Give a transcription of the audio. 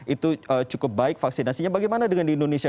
itu cukup baik vaksinasinya bagaimana dengan di indonesia